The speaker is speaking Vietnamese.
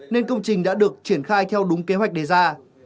nên công trình đã được triển khai theo đúng kế hoạch đề ra